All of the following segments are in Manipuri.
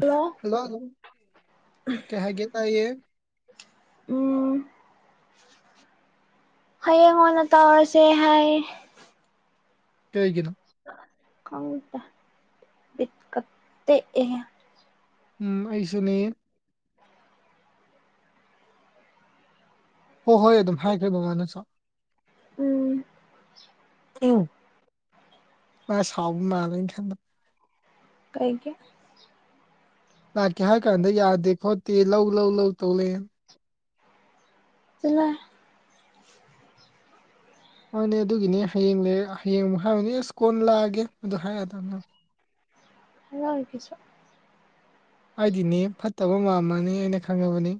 ꯍꯜꯂꯣ ꯍꯜꯂꯣꯂꯣ ꯀꯩ ꯍꯥꯏꯒꯦ ꯇꯥꯏꯌꯦ ꯎꯝ ꯍꯌꯦꯡꯉꯣꯟ ꯑꯣꯏꯅ ꯇꯧꯔꯁꯦ ꯍꯥꯏ ꯀꯩꯒꯤꯅꯣ ꯈꯪꯗꯦ ꯕꯤꯠꯀ ꯇꯦꯛꯏꯍꯦ ꯎꯝ ꯑꯩꯁꯨꯅꯤ ꯍꯣꯏ ꯍꯣꯏ ꯑꯗꯨꯝ ꯍꯥꯏꯈ꯭ꯔꯦ ꯕꯃꯥꯅꯁꯨ ꯎꯝ ꯎ ꯃꯥ ꯁꯥꯎ ꯃꯥꯜꯂꯦ ꯑꯩ ꯈꯟꯕꯗ ꯀꯩꯒꯤ ꯂꯥꯛꯀꯦ ꯍꯥꯏ ꯀꯥꯟꯗ ꯌꯥꯗꯦ ꯈꯣꯠꯇꯦ ꯂꯧ ꯂꯧ ꯂꯧ ꯇꯧ ꯂꯩꯅ ꯆꯠꯂꫭꯏ ꯍꯣꯏꯅꯦ ꯑꯗꯨꯒꯤꯅꯦ ꯍꯌꯦꯡ ꯂꯩ ꯍꯌꯦꯡꯃꯨꯛ ꯍꯥꯏꯕꯅꯦ ꯑꯦꯁ ꯀꯣꯟꯅ ꯂꯥꯛꯑꯒꯦ ꯑꯗꯨ ꯍꯥꯏꯔꯛꯗꯝꯅꯤ ꯍꯥꯏꯔꯛꯑꫭꯏꯀꯩꯁꯨ ꯍꯥꯏꯗꯤꯅꯦ ꯐꯠꯇꯕ ꯃꯥꯝꯃꯅꯤ ꯑꯩꯅ ꯈꯪꯉꯕꯅꯤ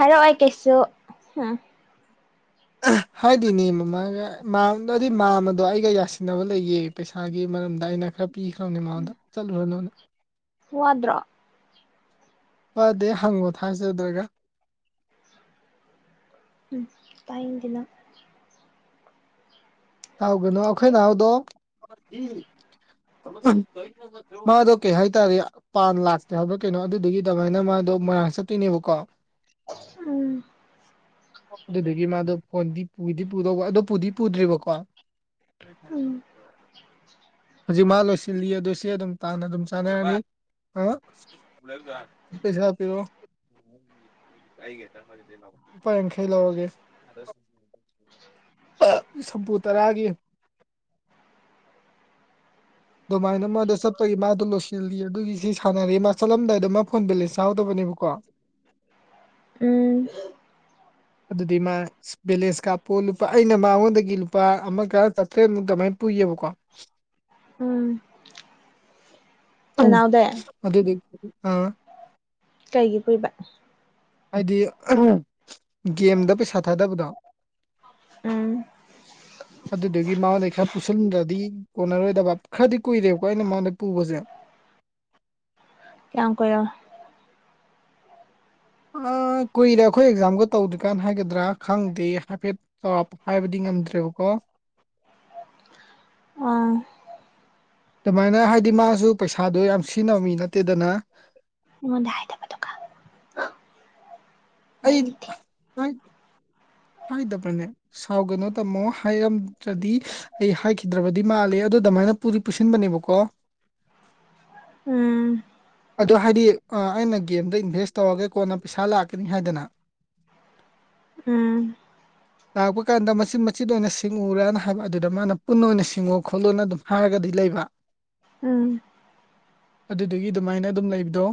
ꯍꯥꯏꯔꯛꯑꯣꯏ ꯀꯩꯁꯨ ꯎꯝ ꯍꯥꯏꯗꯤꯅꯦ ꯃꯃꯥꯒ ꯃꯥꯝꯗꯤ ꯑꯗꯨꯏ ꯃꯥꯝꯃꯗꯣ ꯑꯩꯒ ꯌꯥꯁꯤꯟꯅꯕ ꯂꯩꯌꯦ ꯄꯩꯁꯥꯒꯤ ꯃꯔꯝꯗ ꯑꯩꯅ ꯈꯔ ꯄꯤꯈ꯭ꯔꯕꯅꯦ ꯃꯉꯣꯟꯗ ꯆꯠꯂꯨꯔꯅꯨꯅ ꯋꯥꯗ꯭ꯔꯣ ꯐꯗꯦ ꯍꯪꯉꯣ ꯊꯥꯖꯗ꯭ꯔꯒ ꯍꯝ ꯇꯥꯏꯗꯦ ꯅꯪ ꯇꯥꯎꯒꯅꯨ ꯑꯩꯈꯣꯏ ꯅꯥꯎꯗꯣ [unintelligible] [unintelligible] ꯃꯥꯗꯣ ꯀꯩ ꯍꯥꯏ ꯇꯥꯔꯦ ꯄꯥꯟ ꯂꯥꯛꯇꯦ ꯍꯥꯏꯕ꯭ꯔꯥ ꯀꯩꯅꯣ ꯑꯗꯨꯗꯒꯤ ꯑꯗꯨꯃꯥꯏꯅ ꯃꯥꯗꯣ ꯃꯣꯏꯔꯥꯡ ꯆꯠꯇꯣꯏꯅꯦꯕꯀꯣ [unintelligible] ꯎꯝ ꯑꯗꯨꯗꯨꯒꯤ ꯃꯥꯗꯣ ꯐꯣꯟꯗꯤ ꯄꯨꯗꯤ ꯄꯨꯗꯧꯕ ꯑꯗꯨꯣ ꯄꯨꯗꯤ ꯄꯨꯗ꯭ꯔꯤꯕꯀꯣ ꯎꯝ ꯍꯧꯖꯤꯛ ꯃꯥ ꯂꯣꯏꯁꯤꯜꯂꯤ ꯑꯗꯨ ꯁꯤ ꯑꯗꯨꯝ ꯇꯥꯟ ꯑꯗꯨꯝ ꯆꯥꯟꯅꯔꯅꯤ ꯍꯥ [unintelligible] ꯄꯁꯥ ꯄꯤꯔꯛꯑꯣ ꯂꯨꯄꯥ ꯌꯥꯡꯈꯩ ꯂꯧꯔꯒꯦ [unintelligible] ꯁꯝꯄꯨ ꯇꯔꯥꯒꯤ ꯑꯗꯨꯃꯥꯏꯅ ꯃꯥꯗꯣ ꯆꯠꯄꯒꯤ ꯃꯥꯗꯣ ꯂꯣꯏꯁꯤꯜꯂꯤ ꯑꯗꯨꯒꯤ ꯁꯤ ꯁꯥꯟꯅꯔ ꯃꯥ ꯆꯠꯂꯝꯗꯥꯏꯗ ꯃꯥ ꯐꯣꯟ ꯕꯦꯂꯦꯟꯁ ꯌꯥꯎꯗꯕꯅꯦꯕꯀꯣ ꯀꯣ ꯎꯝ ꯑꯗꯨꯗꯤ ꯃꯥ ꯕꯦꯂꯦꯟꯁ ꯀꯥꯞꯄꯣ ꯂꯨꯄꯥ ꯑꯩꯅ ꯃꯉꯣꯟꯗꯒꯤ ꯂꯨꯄꯥ ꯑꯃꯒ ꯆꯥꯇ꯭ꯔꯦꯠꯃꯨꯛ ꯑꯗꯥꯏꯅ ꯄꯨꯏꯌꯦꯕꯀꯣ ꯎꯝ ꯎꯝ ꯅꯅꯥꯎꯗꯩ ꯑꯗꯨꯒꯤ ꯑ ꯀꯒꯤ ꯄꯨꯏꯕ ꯍꯥꯏꯗꯤ ꯒꯦꯝꯗ ꯄꯩꯁꯥ ꯊꯥꯗꯕꯗꯣ ꯎꯝ ꯑꯗꯨꯗꯨꯒꯤ ꯃꯥꯉꯣꯟꯗꯩ ꯈꯔ ꯄꯨꯁꯤꯟꯗ꯭ꯔꯗꯤ ꯀꯣꯟꯅꯔꯣꯏꯗꯕ ꯈꯔꯗꯤ ꯀꯨꯏꯔꯦꯕꯀꯣ ꯑꯩꯅ ꯃꯉꯣꯟꯗꯩ ꯄꯨꯕꯁꯦ ꯀꯌꯥꯝ ꯀꯨꯏꯔꯕ ꯑ ꯀꯨꯏꯔꯦ ꯑꯩꯈꯣꯏ ꯑꯦꯛꯖꯥꯝꯒ ꯇꯧꯗ꯭ꯔꯤꯀꯥꯟꯅ ꯍꯥꯏꯒꯗ꯭ꯔꯥ ꯈꯪꯗꯦ ꯍꯥꯏꯐꯦꯠ ꯆꯥꯎꯔꯥꯛꯄ ꯍꯥꯏꯕꯗꯤ ꯉꯝꯗ꯭ꯔꯦꯕꯀꯣ ꯑꯥ ꯑꯗꯨꯃꯥꯏꯅ ꯍꯥꯏꯗꯤ ꯃꯥꯁꯨ ꯄꯩꯁꯥꯗꯣ ꯌꯥꯝ ꯁꯤꯖꯤꯟꯅꯕ ꯃꯤ ꯅꯠꯇꯦꯗꯅ ꯑꯩꯉꯣꯟꯗ ꯍꯥꯏꯗꯕ ꯑꯗꯨꯒ [unintelligible] ꯑꯩ [unintelligible] ꯍꯥꯏꯗꯕ꯭ꯔꯅꯦ ꯁꯥꯎꯒꯅꯣ ꯇꯥꯃꯣ ꯍꯥꯏꯔꯝꯗ꯭ꯔꯗꯤ ꯑꯩ ꯍꯥꯏꯈꯤꯗ꯭ꯔꯕ ꯗꯤ ꯃꯥꯜꯂꯤ ꯑꯗꯨ ꯑꯗꯨꯃꯥꯏꯅ ꯄꯨꯗꯤ ꯄꯨꯁꯤꯟꯕꯅꯦꯕꯀꯣ ꯎꯝ ꯑꯗꯣ ꯍꯥꯏꯗꯤ ꯑꯩꯅ ꯑ ꯒꯦꯝꯗ ꯏꯟꯚꯦꯁ ꯇꯧꯔꯒ ꯀꯣꯟꯅ ꯄꯩꯁꯥ ꯂꯥꯛꯀꯅꯤ ꯍꯥꯏꯗꯅ ꯎꯝ ꯂꯥꯛꯄ ꯀꯥꯟꯗ ꯃꯆꯤꯟ ꯃꯆꯤꯟꯠ ꯑꯣꯏꯅ ꯁꯤꯡꯎꯨꯔꯅ ꯍꯥꯏꯕ ꯑꯗꯨꯗ ꯃꯥꯅ ꯄꯨꯟꯅ ꯑꯣꯏꯅ ꯁꯤꯡꯉꯣ ꯈꯣꯠꯂꯣꯅ ꯑꯗꯨꯝ ꯍꯥꯏꯔꯒꯗꯤ ꯂꯩꯕ ꯎꯝ ꯑꯗꯨꯗꯨꯒꯤ ꯑꯗꯨꯝ ꯑꯗꯨꯃꯥꯏꯅ ꯑꯗꯨꯝ ꯂꯩꯕꯗꯣ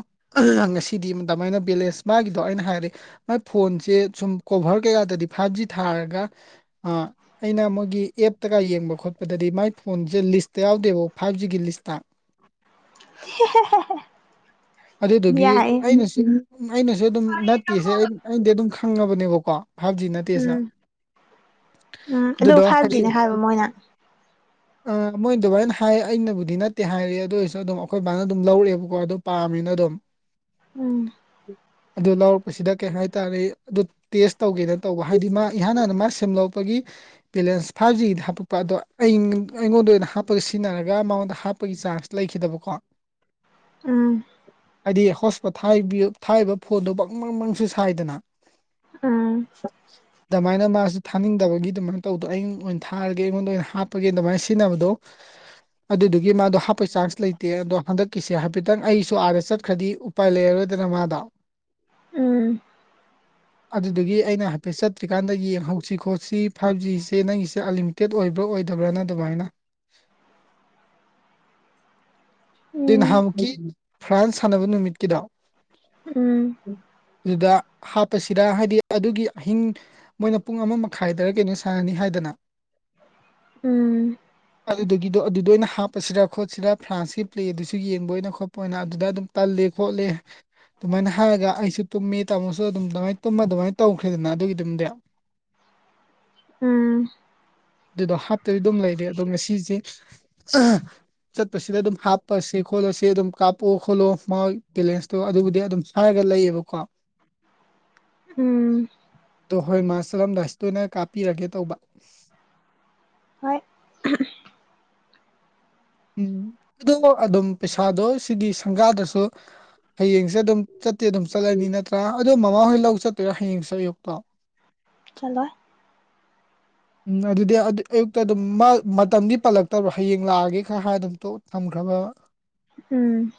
ꯑ ꯉꯁꯤꯗꯤ ꯑꯗꯨꯃꯥꯏꯅ ꯕꯦꯂꯦꯟꯁ ꯃꯥꯒꯤꯗꯣ ꯑꯩꯅ ꯍꯥꯏꯔꯦ ꯃꯥꯏ ꯐꯣꯟꯁꯦ ꯁꯨꯝ ꯀꯣꯚꯔ ꯀꯩ ꯌꯥꯗ꯭ꯔꯗꯤ ꯐꯥꯏꯚ ꯖꯤ ꯊꯥꯔꯒ ꯑ ꯑꯩꯅ ꯃꯣꯏꯒꯤ ꯑꯦꯞꯇꯒ ꯌꯦꯡꯕ ꯈꯣꯠꯄꯗꯗꯤ ꯃꯥꯏ ꯐꯣꯟꯁꯦ ꯂꯤꯁꯇ ꯌꯥꯎꯗꯦꯕ ꯐꯥꯏꯚ ꯖꯤꯒꯤ ꯂꯤꯁꯇ [unintelligible] ꯑꯗꯨꯗꯨꯒꯤ ꯌꯥꯏꯌꯦ ꯑꯩꯅꯁꯨ ꯑꯩꯅꯁꯨ ꯑꯗꯨꯝ ꯅꯠꯇꯦꯁꯦ ꯑꯩꯅꯗꯤ ꯑꯗꯨꯝ ꯈꯪꯉꯕꯅꯦꯕꯀꯣ ꯐꯥꯏꯚ ꯖꯤ ꯅꯠꯇꯦꯁꯦ ꯎꯝ ꯎꯝ ꯑꯗꯨ ꯑꯗꯨꯗꯣ ꯐꯥꯏꯚ ꯍꯥꯏꯗꯤ ꯖꯤꯅꯦ ꯍꯥꯏꯕ ꯃꯣꯏꯅ ꯑ ꯃꯣꯏ ꯑꯗꯨꯃꯥꯏꯅ ꯍꯥꯏ ꯑꯩꯅꯕꯨꯗꯤ ꯅꯠꯇꯦ ꯍꯥꯏꯔꯤ ꯑꯗꯨ ꯑꯣꯏꯔꯁꯨ ꯑꯗꯨꯝ ꯑꯩꯈꯣꯏ ꯕꯥꯅ ꯑꯗꯨꯝ ꯂꯧꯔꯛꯑꯦꯕ ꯀꯣ ꯑꯗꯨ ꯄꯥꯝꯃꯤꯅ ꯑꯗꯨꯝ ꯎꯝ ꯑꯗꯨ ꯂꯧꯔꯛꯄꯁꯤꯗ ꯀꯩ ꯍꯥꯏꯇꯥꯔꯦ ꯑꯗꯨ ꯇꯦꯁ ꯇꯧꯒꯦꯅ ꯇꯧꯕ ꯍꯥꯏꯗꯤ ꯃꯥ ꯏꯍꯥꯟ ꯍꯥꯟꯅ ꯃꯥ ꯁꯦꯝ ꯂꯣꯛꯄꯒꯤ ꯕꯦꯂꯦꯟꯁ ꯐꯥꯏꯚ ꯖꯤꯒꯤꯗ ꯍꯥꯞꯄꯛꯄ ꯑꯗꯣ ꯑꯩ ꯑꯩꯉꯣꯟꯗ ꯑꯣꯏꯅ ꯍꯥꯞꯄꯒ ꯁꯤꯖꯤꯟꯅꯔꯒ ꯃꯉꯣꯟꯗ ꯍꯥꯞꯄꯒꯤ ꯆꯥꯟꯁ ꯂꯩꯈꯤꯗꯕꯀꯣ ꯎꯝ ꯍꯥꯏꯗꯤ ꯍꯣꯁ ꯄꯣꯠ ꯊꯥꯏꯕꯤ ꯊꯥꯏꯔꯤꯕ ꯐꯣꯟꯗꯣ ꯕꯪ ꯕꯪ ꯕꯪ ꯁꯦ ꯁꯥꯏꯗꯅ ꯎꯝ ꯗꯃꯥꯏꯅ ꯃꯥꯁꯨ ꯊꯥꯅꯤꯡꯗꯕꯒꯤ ꯑꯗꯨꯃꯥꯏꯅ ꯇꯧꯗꯣ ꯑꯩ ꯑꯣꯏꯅ ꯊꯥꯔꯒꯦ ꯑꯩꯉꯣꯟꯗ ꯑꯣꯏꯅ ꯍꯥꯞꯄꯒꯦ ꯑꯗꯨꯃꯥꯏꯅ ꯁꯤꯖꯤꯟꯅꯕꯗꯣ ꯑꯗꯨꯗꯨꯒꯤ ꯃꯥꯗꯣ ꯍꯥꯞꯄꯩ ꯆꯥꯟꯁ ꯂꯩꯇꯦ ꯑꯗꯣ ꯍꯟꯗꯛ ꯀꯤꯁꯦ ꯍꯥꯏꯐꯦꯠꯇꯪ ꯑꯩꯁꯨ ꯑꯥꯗ ꯆꯠꯈ꯭ꯔꯗꯤ ꯎꯄꯥꯏ ꯂꯩꯔꯔꯣꯏꯗꯅ ꯃꯥꯗꯣ ꯎꯝ ꯑꯗꯨꯗꯒꯤ ꯑꯩꯅ ꯍꯥꯏꯐꯦꯠ ꯆꯠꯇ꯭ꯔꯤꯀꯥꯟꯗ ꯌꯦꯡꯍꯧꯁꯤ ꯈꯣꯠꯁꯤ ꯐꯥꯏꯚ ꯖꯤꯁꯦ ꯅꯪꯒꯤꯁꯦ ꯑꯂꯤ ꯇꯦꯠ ꯑꯣꯏꯕ꯭ꯔꯥ ꯑꯣꯏꯗꯕ꯭ꯔꯥꯅ ꯑꯗꯨꯃꯥꯏꯅ ꯗꯩ ꯎꯝ ꯍꯥꯟꯃꯨꯛꯀꯤ ꯐ꯭ꯔꯥꯟꯁ ꯁꯥꯟꯅꯕ ꯅꯨꯃꯤꯠꯀꯤꯗ ꯎꯝ ꯑꯗꯨꯗ ꯍꯥꯞꯄꯁꯤꯗ ꯍꯥꯏꯗꯤ ꯑꯗꯨꯒꯤ ꯑꯍꯤꯡ ꯃꯣꯏꯅ ꯄꯨꯡ ꯑꯃ ꯃꯈꯥꯏꯗꯔ ꯀꯩꯅꯣ ꯁꯥꯟꯅꯅꯤ ꯍꯥꯏꯗꯅ ꯎꯝ ꯑꯗꯨꯒꯤꯗꯣ ꯑꯗꯨꯗ ꯑꯣꯏꯅ ꯍꯥꯞꯄꯁꯤꯔꯥ ꯈꯣꯠꯁꯤꯔꯥ ꯐ꯭ꯔꯥꯟꯁꯀꯤ ꯄ꯭ꯂꯦꯗꯨꯁꯨ ꯌꯦꯡꯕ ꯑꯣꯏꯅ ꯈꯣꯠꯄ ꯑꯣꯏꯅ ꯑꯗꯨꯗ ꯑꯗꯨꯝ ꯇꯜꯂꯦ ꯈꯣꯠꯂꯦ ꯑꯗꯨꯃꯥꯏꯅ ꯍꯥꯏꯔꯒ ꯑꯩꯁꯨ ꯇꯨꯝꯃꯤ ꯇꯥꯃꯣꯁꯨ ꯑꯗꯨꯝ ꯑꯗꯨꯃꯥꯏꯅ ꯇꯨꯝꯃ ꯑꯗꯨꯃꯥꯏꯅ ꯇꯧꯈ꯭ꯔꯦꯗꯅ ꯑꯗꯨꯒꯤꯗꯨꯝꯗꯤ ꯎꯝ ꯑꯗꯨꯗꯣ ꯍꯥꯞꯇꯗꯤ ꯑꯗꯨꯝ ꯂꯩꯔꯦ ꯑꯗꯣ ꯉꯁꯤꯁꯦ ꯆꯠꯄꯁꯤꯗ ꯑꯗꯨꯝ ꯍꯥꯞ ꯀꯠꯂꯁꯤ ꯈꯣꯠꯂꯁꯤ ꯑꯗꯨꯝ ꯀꯥꯞꯑꯣ ꯈꯣꯠꯂꯣ ꯃꯥ ꯕꯦꯂꯦꯟꯁꯇꯣ ꯑꯗꯨꯕꯨꯗꯤ ꯑꯗꯨꯝ ꯁꯔꯒ ꯂꯩꯌꯦꯕꯀꯣ ꯎꯝ ꯑꯣ ꯍꯣꯏ ꯃꯥ ꯆꯠꯂꯝꯗꯥꯏꯁꯤ ꯇꯣꯏꯅ ꯀꯥꯞꯄꯤꯔꯒꯦ ꯇꯧꯕ ꯍꯣꯏ ꯎꯝ ꯑꯗꯨꯗꯣ ꯑꯗꯨꯝ ꯄꯩꯁꯥꯗꯣ ꯁꯤꯒꯤ ꯁꯪꯒꯥꯗꯁꯨ ꯍꯌꯦꯡꯁꯦ ꯑꯗꯨꯝ ꯆꯠꯇꯦ ꯑꯗꯨꯝ ꯆꯠꯂꯅꯤ ꯅꯠꯇ꯭ꯔꯥ ꯑꯗꯣ ꯃꯃꯥꯍꯣꯏ ꯂꯧ ꯆꯠꯇꯣꯏꯔꯥ ꯍꯌꯦꯡꯁꯦ ꯑꯌꯨꯛꯇꯣ ꯆꯠꯂꯣꯏ ꯎꯝ ꯑꯗꯨꯗꯤ ꯑꯌꯨꯛꯇ ꯑꯗꯨꯝ ꯃꯇꯝꯗꯤ ꯄꯜꯂꯛꯇꯕ꯭ꯔꯣ ꯍꯌꯦꯡ ꯂꯥꯛꯑꯒꯦ ꯈꯔ ꯍꯥꯏꯔ ꯑꯗꯨꯝ ꯊꯝꯈ꯭ꯔꯕ ꯎꯝ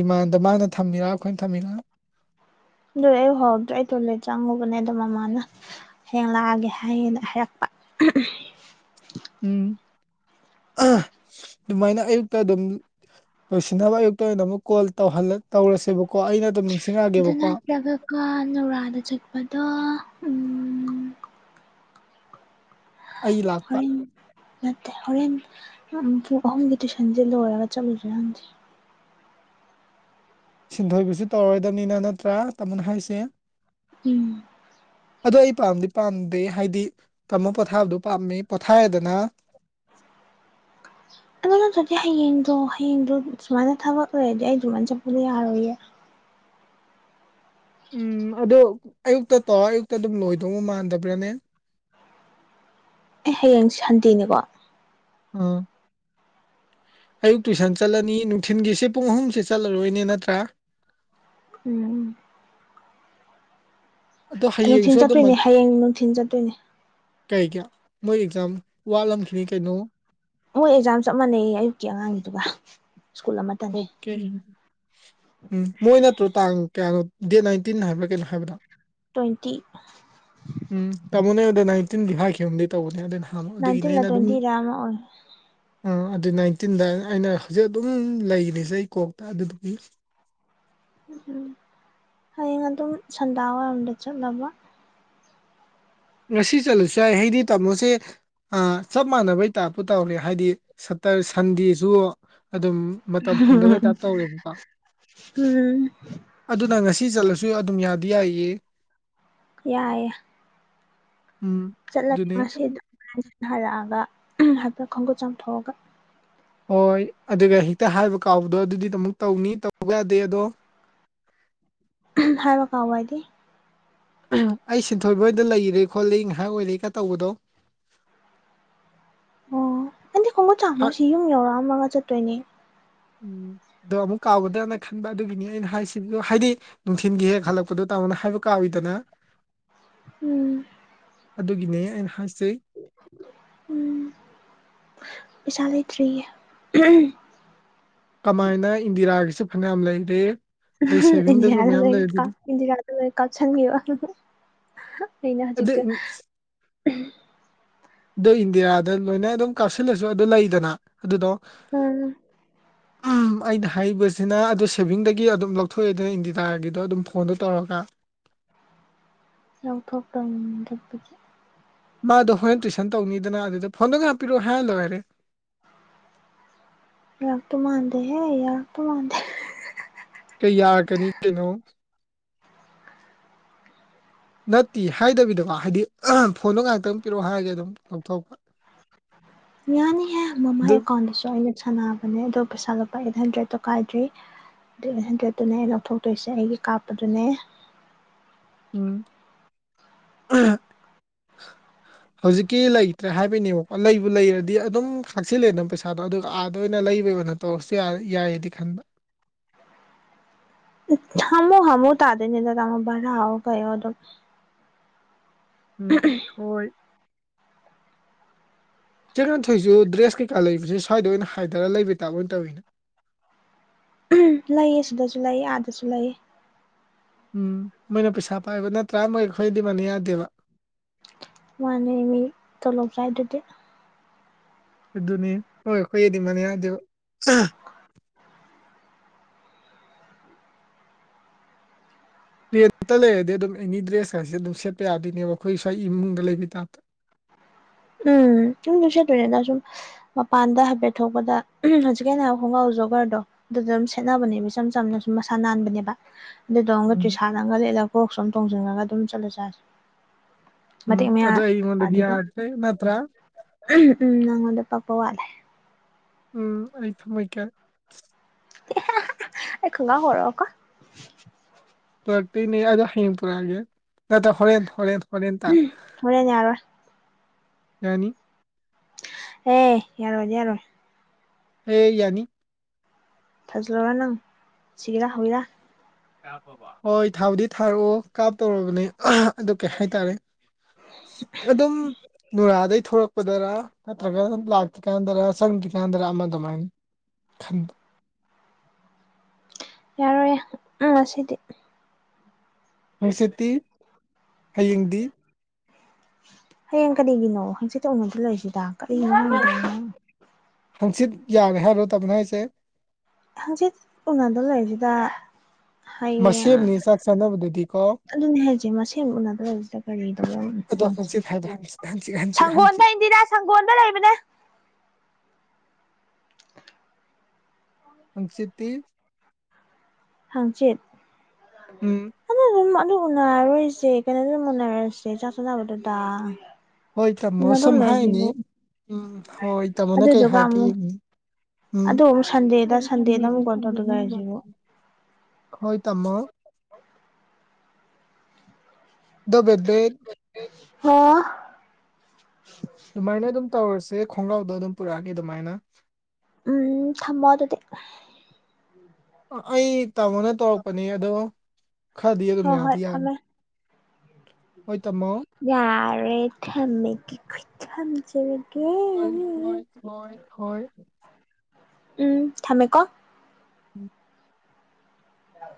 ꯗꯤꯃꯥꯟꯗ ꯃꯥꯅ ꯊꯝꯃꯤꯔꯥ ꯑꯩꯈꯣꯏꯅ ꯊꯝꯃꯤꯔꯥ ꯑꯗꯨ ꯑꯩ ꯎꯍꯧꯗ꯭ꯔꯦ ꯑꯩ ꯇꯣꯂꯦꯠ ꯆꯪꯉꯨꯕꯅꯦꯗ ꯃꯃꯥꯅ ꯍꯌꯦꯡ ꯂꯥꯛꯑꯒꯦ ꯍꯥꯏꯌꯦꯅ ꯍꯥꯏꯔꯛꯄ ꯎꯝ ꯑꯗꯨꯃꯥꯏꯅ ꯑꯌꯨꯛꯇ ꯑꯗꯨꯝ ꯂꯣꯏꯁꯤꯟꯅꯕ ꯑꯌꯨꯛꯇ ꯑꯣꯏꯅ ꯑꯃꯨꯛ ꯀꯣꯜꯧ ꯇꯧꯔꯁꯦꯕꯀꯣ ꯑꯩꯅ ꯑꯗꯨꯝ ꯅꯤꯡꯁꯤꯡ ꯑꯗꯨ ꯅꯠꯇ꯭ꯔꯒꯀ ꯅꯨꯔꯥꯗ ꯆꯠꯄꯗꯣ ꯎꯝ ꯑꯩ ꯂꯥꯛꯄ ꯍꯣꯏꯟ ꯅꯠꯇꯦ ꯍꯣꯔꯦꯟ ꯑꯝ ꯄꯨꯡ ꯑꯍꯨꯝꯒꯤ ꯇꯨꯏꯁꯟꯁꯦ ꯂꯣꯏꯔꯒ ꯆꯠꯂꯨꯗꯔꯥ ꯍꯪꯁꯦ ꯁꯤꯟꯊꯣꯏꯕꯁꯨ ꯇꯧꯔꯣꯏꯗꯕꯅꯤꯅ ꯅꯠꯇ꯭ꯔꯥ ꯇꯥꯃꯣꯅ ꯍꯥꯏꯁꯦ ꯎꯝ ꯑꯗꯣ ꯑꯩ ꯄꯥꯝꯗꯤ ꯄꯥꯝꯗꯦ ꯍꯥꯏꯗꯤ ꯀꯃꯣ ꯄꯣꯊꯥꯕꯗꯣ ꯄꯥꯝꯃꯦ ꯄꯣꯊꯥꯔꯦꯗꯅ ꯑꯗꯨ ꯅꯠꯇ꯭ꯔꯗꯤ ꯍꯌꯦꯡꯗꯣ ꯍꯌꯦꯡꯗꯣ ꯁꯨꯃꯥꯏꯅ ꯊꯕꯛ ꯑꯣꯏꯨꯔꯗꯤ ꯑꯩ ꯑꯗꯨꯃꯥꯏꯅ ꯆꯠꯄꯗꯣ ꯌꯥꯔꯣꯏꯌꯦ ꯎꯝ ꯑꯗ ꯑꯌꯨꯛꯇ ꯇꯧ ꯑꯌꯨꯛꯇ ꯑꯗꯨꯝ ꯂꯣꯏꯗꯧ ꯃꯥꯟꯗꯕ꯭ꯔꯥꯅꯦ ꯑꯦ ꯍꯌꯦꯡ ꯁꯟꯗꯦꯅꯤꯀꯣ ꯑ ꯑꯌꯨꯛ ꯇꯨꯏꯁꯟ ꯆꯠꯂꯅꯤ ꯅꯨꯡꯊꯤꯟꯒꯤꯁꯤ ꯄꯨꯡ ꯑꯍꯨꯝꯁꯦ ꯆꯠꯂꯔꯣꯏꯅꯦ ꯅꯠꯇ꯭ꯔꯥ ꯎꯝ ꯑꯗꯣ ꯍꯌꯦꯡꯁꯨ ꯅꯨꯡꯊꯤꯟ ꯑꯗꯨꯝ ꯆꯠꯇꯣꯏꯅꯦ ꯍꯌꯦꯡ ꯅꯨꯡꯊꯤꯟ ꯆꯠ ꯀꯩ ꯀ ꯃꯣꯏ ꯑꯦꯛꯖꯥꯝ ꯋꯥꯠꯂꯝꯈꯤꯅꯤ ꯀꯩꯅꯣ ꯃꯣꯏ ꯑꯦꯛꯖꯥꯝ ꯆꯞ ꯃꯥꯟꯅꯩ ꯑꯌꯨꯛꯀꯤ ꯑꯉꯥꯡꯒꯤꯗꯨꯒ ꯁ꯭ꯀꯨꯜ ꯑꯃ ꯑꯣꯀꯦ ꯎꯝ ꯃꯣꯏ ꯅꯠꯇ꯭ꯔꯣ ꯇꯥꯡ ꯀꯌꯥꯅꯣ ꯗꯦꯠ ꯅꯥꯏꯟꯇꯤꯟ ꯍꯥꯏꯕ꯭ꯔ ꯀꯩꯅꯣ ꯍꯥꯏꯕꯗꯣ ꯇꯣꯏꯟꯇꯤ ꯎꯝ ꯇꯃꯣ ꯅꯥꯌꯥꯗ ꯅꯥꯏꯟꯇꯤꯟꯗꯤ ꯍꯥꯏꯈꯤꯒꯨꯝꯗꯤ ꯇꯧꯕꯅꯦ ꯑꯗꯨꯅ ꯊꯥꯃꯣ ꯑꯗꯨꯒꯤꯅꯦ ꯅꯥꯏꯟꯇꯤꯟꯂ ꯑꯩꯅ ꯑꯗꯨꯝ ꯇ꯭ꯋꯦꯟꯇꯤꯔ ꯑꯃ ꯑꯣꯏ ꯑꯗꯨ ꯅꯥꯏꯟꯇꯤꯟꯗ ꯑꯩꯅ ꯍꯧꯖꯤꯛ ꯑꯗꯨꯝ ꯂꯩꯔꯤꯅꯦꯁꯦ ꯑꯩ ꯀꯣꯛꯇ ꯑꯗꯨꯗꯤ ꯎꯝ ꯎꯝ ꯍꯌꯦꯡ ꯑꯗꯨꯝ ꯁꯟꯗꯥꯋꯥꯏꯔꯣꯝꯗ ꯆꯠꯅꯕ ꯉꯁꯤ ꯆꯠꯂꯨꯁꯨ ꯌꯥꯏ ꯍꯥꯏꯗꯤ ꯇꯥꯝꯃꯣꯁꯦ ꯆꯞ ꯃꯥꯟꯅꯕꯩ ꯇꯥꯞꯄꯨ ꯇꯧꯔꯦ ꯍꯥꯏꯗꯤ ꯁꯇꯔ ꯁꯟꯗꯦꯁꯨ ꯑꯗꯨꯝ ꯃꯇꯝ ꯐꯪꯗꯕꯩꯇꯥꯞ ꯇꯧꯔꯦꯕꯀꯣ ꯎꯝ ꯑꯗꯨꯅ ꯉꯁꯤ ꯆꯠꯂꯁꯨ ꯑꯗꯨꯝ ꯌꯥꯗꯤ ꯌꯥꯏꯌꯦ ꯌꯥꯏꯌꯦ ꯎꯝ ꯆꯠꯂ ꯑꯗꯨꯅꯤ ꯉꯁꯤ ꯑꯗꯨꯝ ꯍꯜꯂꯀꯛꯑꯒ ꯍꯥꯏꯐꯦꯠ ꯈꯣꯡꯈꯨꯠ ꯆꯥꯝꯊꯣꯛꯑꯒ ꯍꯣꯏ ꯑꯗꯨꯒ ꯍꯦꯛꯇ ꯍꯥꯏꯕ ꯀꯥꯎꯕꯗꯣ ꯑꯗꯨꯗꯤ ꯑꯃꯨꯛ ꯇꯧꯅꯤ ꯇꯧꯕ ꯌꯥꯗꯦ ꯑꯗꯣ ꯍꯥꯏꯕ ꯀꯥꯎꯕꯗꯤ ꯑꯩ ꯁꯤꯟꯊꯣꯏꯕꯍꯣꯏꯗ ꯂꯩꯔꯦ ꯈꯣꯠꯂꯤ ꯉꯥꯍꯥꯛ ꯑꯣꯏꯔꯒ ꯇꯧꯕꯗꯣ ꯍꯟꯗꯤ ꯈꯣꯡꯉꯨꯠ ꯍꯥꯏ ꯆꯥꯝꯃ ꯁꯤ ꯌꯨꯝ ꯌꯧꯔꯛꯑꯝꯃꯒ ꯆꯠꯇꯣꯏꯅꯦ ꯎꯝ ꯗꯣ ꯑꯃꯨꯛ ꯀꯥꯎꯒꯗ꯭ꯔꯅ ꯈꯟꯕ ꯑꯗꯨꯒꯤꯅꯤ ꯑꯩꯅ ꯍꯥꯏꯁꯤ ꯍꯥꯏꯗꯤ ꯅꯨꯡꯊꯤꯟꯒꯤ ꯍꯦꯛ ꯍꯜꯂꯛꯄꯗꯣ ꯇꯥꯃꯣꯅ ꯍꯥꯏꯕ ꯀꯥꯎꯋꯤꯗꯅ ꯎꯝ ꯑꯗꯨꯒꯤꯅꯦ ꯑꯩꯅ ꯍꯥꯏꯁꯦ ꯎꯝ ꯄꯩꯁꯥ ꯂꯩꯇꯔ꯭ꯤꯌꯦ ꯀꯃꯥꯏꯅ ꯏꯟꯗꯤꯔꯥꯒꯤꯁꯨ ꯐꯅꯌꯥꯝ ꯂꯩꯔꯦ ꯑꯗꯩ ꯁꯦꯚꯤꯡꯗꯁꯨ ꯏꯟꯗꯤꯔꯥꯗ ꯃꯌꯥꯝ ꯂꯣꯏ ꯂꯩ ꯑꯗꯨꯗꯤ ꯏꯟꯗꯤꯔꯥꯗ ꯂꯣꯏꯅ ꯀꯥꯞꯁꯟꯒꯤꯕ ꯑꯩꯅ ꯍꯧꯖꯤꯛ ꯑꯗꯨ ꯁꯦ ꯗꯨ ꯏꯟꯗꯤꯔꯥꯗ ꯂꯣꯏꯅ ꯑꯗꯨꯝ ꯀꯥꯞꯁꯜꯂꯁꯨ ꯑꯗꯨ ꯂꯩꯗꯅ ꯑꯗꯨꯗꯣ [unintelligible] ꯎꯝ ꯑꯩꯅ ꯍꯥꯏꯕꯁꯤꯅ ꯑꯗꯨ ꯁꯦꯚꯤꯡꯗꯒꯤ ꯑꯗꯨꯝ ꯂꯧꯊꯣꯛꯑꯦꯗꯅ ꯏꯟꯗꯤꯔꯥꯒꯤꯗꯣ ꯑꯗꯨꯝ ꯐꯣꯟꯗꯣ ꯇꯧꯔꯒ ꯌꯥꯎꯊꯣꯛ ꯇꯧꯅꯤ ꯑꯗꯨꯕꯨ ꯗꯤ ꯃꯥꯗꯣ ꯍꯣꯔꯦꯟ ꯇꯨꯏꯁꯟ ꯇꯧꯅꯤꯗꯅ ꯑꯗꯨꯗ ꯐꯣꯟꯗꯣ ꯉꯥ ꯍꯥꯛ ꯄꯤꯔꯛꯑꯣ ꯍꯥꯏꯔ ꯂꯣꯏꯔꯦ ꯌꯥꯔꯛ ꯇꯣ ꯃꯥꯥꯟꯗꯦꯍꯦ ꯌꯥꯔꯛꯇꯣ ꯃꯥꯥꯟꯗꯦ ꯀꯩ ꯌꯥꯔꯛꯀꯅꯤ ꯀꯩꯅꯣ [unintelligible] ꯅꯠꯇꯦ ꯍꯥꯏꯗꯕꯤꯗꯀꯣ ꯍꯥꯏꯗꯤ ꯐꯣꯟꯗꯣ ꯉꯥꯏꯍꯥꯛꯇꯪ ꯄꯤꯔꯛꯑꯣ ꯍꯥꯏꯔꯒꯦ ꯑꯗꯨꯝ ꯂꯧꯊꯣꯛꯄ ꯌꯥꯅꯤꯍꯦ ꯃꯃꯥꯏ ꯑꯗꯨ ꯑꯦꯀꯥꯎꯟꯗꯨꯁꯨ ꯑꯩꯅ ꯁꯥꯟꯅꯕꯅꯦ ꯑꯗꯣ ꯄꯩꯁꯥ ꯂꯨꯄꯥ ꯑꯩꯠ ꯍꯟꯗ꯭ꯔꯦꯠꯇꯣ ꯀꯥꯏꯗ꯭ꯔꯤ ꯑꯗꯨ ꯍꯟꯗ꯭ꯔꯦꯠꯇꯨꯅꯦ ꯂꯧꯊꯣꯛꯇꯣꯏꯁꯦ ꯑꯩꯒꯤ ꯀꯥꯞꯄꯗꯨꯅꯦ ꯎꯝ [unintelligible] ꯍꯧꯖꯤꯛꯀꯤ ꯂꯩꯇ꯭ꯔꯦ ꯍꯥꯏꯕꯩꯅꯦꯕꯀꯣ ꯂꯩꯕꯨ ꯂꯩꯔꯗꯤ ꯑꯗꯨꯝ ꯁꯛꯆꯤꯜꯂꯦꯅ ꯄꯩꯁꯥꯗꯣ ꯑꯗꯨꯒ ꯑꯥꯗ ꯑꯣꯏꯅ ꯂꯩꯕꯩ ꯑꯣꯏꯅ ꯇꯧꯔꯁꯨ ꯌꯥꯏ ꯌꯥꯏꯑꯗꯤ ꯈꯟꯕ ꯍꯃꯨ ꯍꯃꯨ ꯇꯥꯗꯣꯏꯅꯤꯗ ꯚꯔꯥ ꯍꯣ ꯀꯩꯍꯣ ꯑꯗꯨꯝ ꯎꯝ ꯍꯣꯏ ꯆꯦ ꯉꯥꯟꯊꯣꯏꯁꯨ ꯗ꯭ꯔꯦꯁ ꯀꯩꯀꯥ ꯂꯩꯕꯁꯦ ꯁ꯭ꯋꯥꯏꯗ ꯑꯣꯏꯅ ꯍꯥꯏꯗꯔꯒ ꯂꯩꯕꯩ ꯇꯥꯏꯕ ꯑꯣꯏꯅ ꯇꯧꯋꯤꯅꯦ ꯂꯩꯌꯦ ꯁꯤꯗꯁꯨ ꯂꯩꯌꯦ ꯑꯥꯗꯁꯨ ꯂꯩꯌꯦ ꯎꯝ ꯃꯣꯏꯅ ꯄꯩꯁꯥ ꯄꯥꯏꯕ ꯅꯠꯇ꯭ꯔꯥ ꯃꯣꯏ ꯑꯩꯈꯣꯏꯗꯤ ꯃꯥꯟꯅ ꯌꯥꯗꯦꯕ ꯃꯥꯅꯦ ꯃꯤ ꯇꯣꯂꯣꯞ ꯆꯥꯏꯗꯨꯗꯤ ꯑꯗꯨꯅꯤ ꯃꯣꯏꯒ ꯑꯩꯈꯣꯏꯒꯗꯤ ꯃꯥꯅꯦ ꯌꯥꯗꯦꯕ ꯔꯦꯟꯇ ꯂꯩꯔꯗꯤ ꯑꯗꯨꯝ ꯑꯦꯅꯤ ꯗ꯭ꯔꯦꯁꯀꯁꯦ ꯑꯗꯨꯝ ꯁꯦꯠꯄ ꯌꯥꯗꯣꯏꯅꯦꯕ ꯑꯩꯈꯣꯏ ꯁ꯭ꯋꯥꯏ ꯏꯃꯨꯡꯗ ꯂꯩꯕꯤ ꯇꯥꯏꯞꯇ ꯎꯝ [unintelligible] ꯁꯦꯠꯇꯣꯏꯅꯦꯗ ꯆꯨꯝꯅ ꯁꯨꯝ ꯃꯄꯥꯟꯗ ꯍꯥꯏꯐꯦꯠ ꯊꯣꯛꯄꯗ ꯍꯧꯖꯤꯛꯀꯥꯟꯅ ꯈꯣꯡꯒꯥꯎ ꯖꯣꯒꯔꯗꯣ ꯗꯨꯗꯨꯝ ꯁꯦꯠꯅꯕꯅꯦꯕ ꯏꯆꯝ ꯆꯝꯅ ꯁꯨꯝ ꯃꯁꯥ ꯅꯥꯟꯕꯅꯦꯕ ꯑꯗꯨꯗꯧ ꯑꯃꯝꯒ ꯎꯝ ꯇ꯭ꯔꯤꯁꯥꯟꯠꯅ ꯑꯃꯒ ꯂꯤꯠꯂꯒ ꯀꯣꯛꯁꯨ ꯑꯗꯨꯝ ꯇꯣꯡꯁꯤꯜꯂꯒ ꯑꯗꯨꯝ ꯆꯠꯂ ꯆꯥꯁꯤꯦ ꯎꯝ ꯑꯗ ꯑꯩꯉꯣꯟꯗꯤ ꯌꯥꯗ꯭ꯔꯦ ꯅꯠꯇ꯭ꯔ ꯎꯝ ꯅꯪꯉꯣꯟꯗ ꯄꯛꯄ ꯋꯥꯠꯂꯦ ꯎꯝ ꯑꯩ ꯊꯝꯃꯩꯀꯦ ꯑꯦ ꯈ ꯉ ꯍꯔꯣ ꯀꯣ ꯄꯨꯔꯛꯇꯣꯏꯅꯦ ꯑꯗꯣ ꯍꯌꯦꯡ ꯄꯨꯔꯛꯑꯒꯦ ꯅꯠꯇ꯭ꯔ ꯍꯣꯔꯦꯟ ꯍꯣꯔꯦꯟ ꯍꯣꯔꯦꯟ ꯇꯥ ꯍꯣꯔꯅꯦ ꯌꯥꯔꯣꯏ ꯌꯥꯅꯤ ꯑꯦ ꯌꯥꯔꯣꯏꯗꯤ ꯌꯥꯔꯣꯏ ꯍꯦ ꯌꯥꯅꯤ ꯊꯥꯖꯜꯂꯔ ꯅꯪ ꯁꯤꯒꯦꯔꯥ ꯍꯧꯕꯤꯔꯥ ꯍꯣꯏ ꯊꯥꯎꯗꯤ ꯊꯥꯔꯛꯑꯣ ꯀꯥꯞꯇꯧꯔꯕꯅꯦ ꯑꯗꯨ ꯀꯩ ꯍꯥꯏꯇꯥꯔꯦ ꯎ ꯑꯗꯨꯝ ꯅꯨꯔꯥꯗꯩ ꯊꯣꯛꯂꯛꯄꯗꯔꯥ ꯅꯠꯇ꯭ꯔꯒꯅ ꯂꯥꯛꯇ꯭ꯔꯤꯀꯥꯟꯗꯔ ꯆꯪꯗ꯭ꯔꯤꯀꯥꯟꯗꯔ ꯑꯃ ꯑꯗꯨꯃꯥꯏꯅ ꯈꯟ ꯌꯥꯔꯣꯏꯌꯦꯦ ꯎꯝ ꯉꯁꯤꯗꯤ ꯅꯨꯡꯁꯤꯠꯇꯤ ꯍꯌꯦꯡꯗꯤ ꯍꯌꯦꯡ ꯀꯔꯤꯒꯤꯅꯣ ꯍꯪꯆꯤꯠꯇ ꯎꯅꯗ ꯂꯩꯔꯤꯁꯤꯗ ꯀꯔꯤꯅꯣꯗꯣ ꯍꯪꯆꯤꯠ ꯌꯥꯔꯦ ꯍꯥꯏꯔꯣ ꯇꯕꯅ ꯑꯩꯁꯦ ꯍꯪꯆꯤꯠ ꯎꯅꯗ ꯂꯩꯔꯤꯁꯤꯗ ꯍꯌꯦꯡ ꯃꯅꯤ ꯆꯥꯛ ꯆꯥꯅꯕꯗꯗꯤ ꯀꯣ ꯑꯗꯨꯅꯦ ꯍꯥꯏꯁꯦ ꯃꯁ ꯎꯅꯗ꯭ꯔꯖꯤꯗ ꯀꯔꯤꯪꯒꯣ ꯑꯗꯣ ꯍꯪꯆꯤꯠ ꯍꯥꯏꯕ ꯍꯪꯆꯤꯠ ꯍꯪꯆꯤꯠ ꯍꯪꯆꯤꯠ ꯁꯪꯒꯣꯜꯗ ꯂꯩꯕꯅꯦ ꯄꯪꯁꯤꯇꯤꯁ ꯍꯪꯆꯦꯠ ꯎꯝ ꯑ ꯀꯗꯣ ꯎꯅꯔꯣꯏꯁꯦ ꯀꯩꯅꯣꯗ ꯑꯗꯨꯝ ꯎꯅꯔꯣꯏꯁꯦ ꯆꯥ ꯆꯅꯕꯗꯨꯗ ꯍꯣꯏ ꯇꯥꯝꯃꯣ ꯁꯨꯝ ꯍꯥꯏꯅꯤ ꯎꯝ ꯍꯣꯏ ꯇꯥꯝꯃꯣꯅ ꯀꯩ ꯑꯗꯨꯗꯨꯒ ꯍꯥꯏꯒꯦ ꯑꯃꯨꯛ ꯌꯦꯡꯅꯤ ꯑꯗꯣ ꯑꯃꯨꯛ ꯊ ꯁꯟꯗꯦꯗ ꯊꯅ ꯁꯟꯗꯦꯗ ꯑꯃꯨꯛ ꯀꯣꯜ ꯊꯗꯅ ꯇꯧꯗꯣꯏꯔꯤꯁꯤꯕꯨ ꯍꯣꯏ ꯇꯃꯣ ꯗꯕꯦꯠꯕꯦꯠ ꯍ ꯑꯗꯨꯃꯥꯏꯅ ꯑꯗꯨꯝ ꯇꯧꯔꯁꯦ ꯈꯣꯡꯒ꯭ꯔꯥꯎꯗ ꯑꯗꯨꯝ ꯄꯨꯔꯛꯑꯒꯦ ꯑꯗꯨꯃꯥꯏꯅ ꯎꯝ ꯊꯝꯃꯣ ꯑꯗꯨꯗꯤ ꯑꯩ ꯇꯥꯃꯣꯅ ꯇꯧꯔꯛꯄꯅꯦ ꯑꯗꯣ ꯈꯔꯗꯤ ꯑꯗꯨꯝ ꯍꯣꯏ ꯍꯣꯏ ꯌꯥꯗꯤ ꯌꯥꯅꯤ ꯊꯝꯃꯦ ꯍꯣꯏ ꯇꯃꯣ ꯌꯥꯔꯦ ꯊꯃꯦꯒ ꯊ ꯊꯝ ꯆꯃꯤꯒꯦ ꯍꯣꯏ ꯍꯣꯏ ꯍꯣꯏ ꯎꯝ ꯊꯝꯃꯦꯀꯣ ꯎꯝ ꯌꯥ